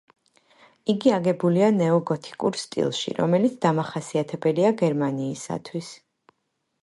იგი აგებულია ნეოგოთიკურ სტილში, რომელიც დამახასიათებელია გერმანიისათვის.